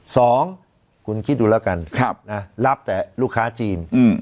สองคุณคิดดูแล้วกันครับน่ะรับแต่ลูกค้าจีนอืม